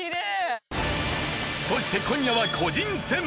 そして今夜は個人戦。